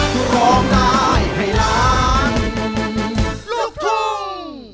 พร้อมได้ให้พลาด